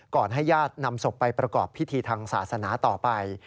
ให้ญาตินำศพไปประกอบพิธีทางศาสนาต่อไป